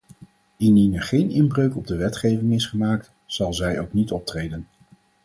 Indien er geen inbreuk op de wetgeving is gemaakt, zal zij ook niet optreden.